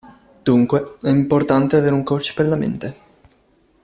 Dunque, è importante avere un coach per la mente.